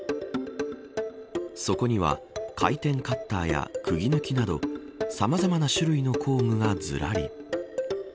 そこには回転カッターや、くぎ抜きなどさまざまな種類の工具がずらり。